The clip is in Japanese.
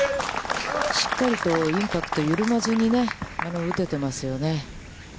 しっかりとインパクトを緩まずに打ててますよね。